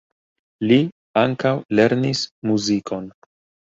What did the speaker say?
Li ankaŭ lernis muzikon.